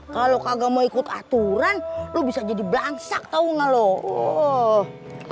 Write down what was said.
kalau kagak mau ikut aturan lu bisa jadi belang sak tahu nggak loh